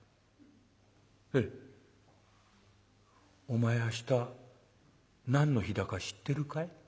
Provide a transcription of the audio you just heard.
「お前明日何の日だか知ってるかい？」。